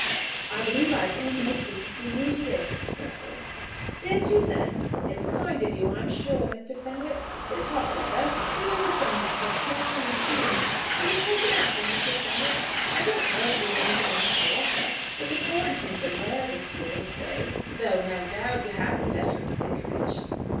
"I believe I came mostly to see you to day, Mrs. Brattle." "Did you then? It's kind of you, I'm sure, Mr. Fenwick, this hot weather, and you with so many folk to mind too. Will you take an apple, Mr. Fenwick? I don't know that we've anything else to offer, but the quarantines are rare this year, they say; though, no doubt, you have them better at the Vicarage?"